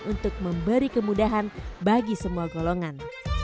untuk memberi kemudahan bagi semua golongan